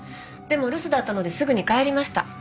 でも留守だったのですぐに帰りました。